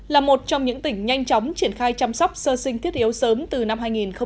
là một trong những tỉnh nhanh chóng triển khai chăm sóc sơ sinh thiết yếu sớm từ năm hai nghìn một mươi tám